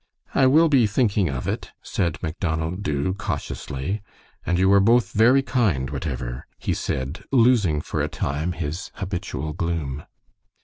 "I will be thinking of it," said Macdonald Dubh, cautiously. "And you are both very kind, whatever," he said, losing for a time his habitual gloom.